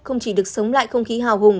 không chỉ được sống lại không khí hào hùng